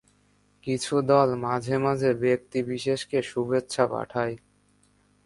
কিছু দল মাঝে মাঝে ব্যক্তি বিশেষকে শুভেচ্ছা পাঠায়।